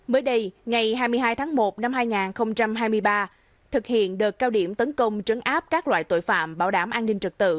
mới đây ngày hai mươi hai tháng một năm hai nghìn hai mươi ba thực hiện đợt cao điểm tấn công trấn áp các loại tội phạm bảo đảm an ninh trật tự